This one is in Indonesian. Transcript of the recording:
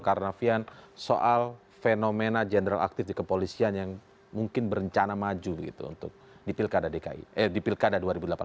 kapolri jenderal tito karnavian soal fenomena jenderal aktif di kepolisian yang mungkin berencana maju gitu untuk dipilkada dki eh dipilkada dua ribu delapan belas